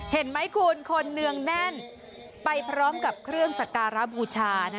เห็นไหมคุณคนเนืองแน่นไปพร้อมกับเครื่องสักการะบูชา